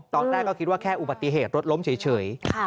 ตอนแรกก็คิดว่าแค่อุบัติเหตุรถล้มเฉย